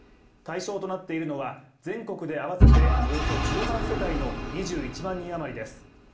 対象となっているのは全国で合わせておよそ１０万世帯の２１万人余りです。